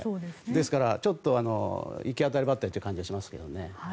ですからちょっと行き当たりばったりな感じがしますね。